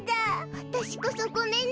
わたしこそごめんね！